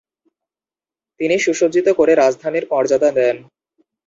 তিনি সুসজ্জিত করে রাজধানীর মর্যাদা দেন।